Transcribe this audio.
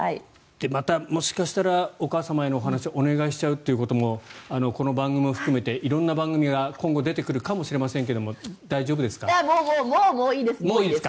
また、もしかしたらお母様へのお話お願いしちゃうということもこの番組も含めて、色んな番組が今後出てくるかもしれませんがもういいです！